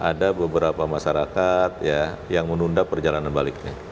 ada beberapa masyarakat yang menunda perjalanan baliknya